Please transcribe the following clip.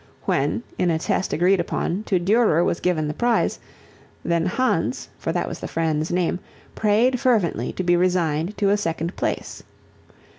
When, in a test agreed upon, to Durer was given the prize, then Hans, for that was the friend's name, prayed fervently to be resigned to a second place.